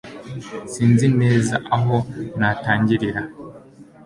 Sinzi neza aho natangirira